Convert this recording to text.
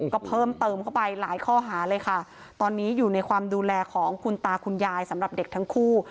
ก็เพิ่มเติมเข้าไปหลายข้อหาเลยค่ะตอนนี้อยู่ในความดูแลของคุณตาคุณยายสำหรับเด็กทั้งคู่